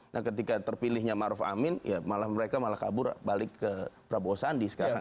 dan ketika terpilihnya ma'ruf amin ya malah mereka malah kabur balik ke prabowo sandi sekarang